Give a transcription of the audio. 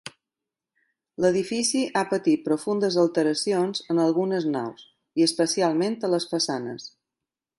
L'edifici ha patit profundes alteracions en algunes naus, i especialment a les façanes.